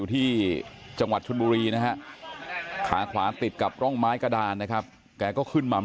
ติดเตียงได้ยินเสียงลูกสาวต้องโทรศัพท์ไปหาคนมาช่วย